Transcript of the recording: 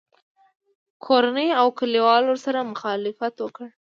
کورنۍ او کلیوالو ورسره مخالفت وکړ